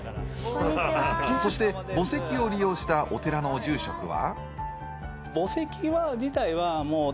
そして、墓石を利用したお寺の住職は？